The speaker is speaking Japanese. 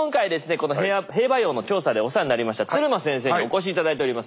この兵馬俑の調査でお世話になりました鶴間先生にお越し頂いております。